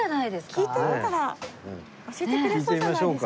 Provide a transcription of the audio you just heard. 聞いてみたら教えてくれそうじゃないですか？